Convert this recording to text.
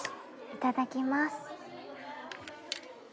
いただきます。